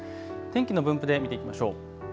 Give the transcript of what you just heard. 天気の分布で見ていきましょう。